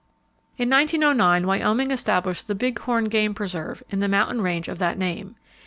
[Page 349] In 1909, Wyoming established the Big Horn Game Preserve, in the mountain range of that name.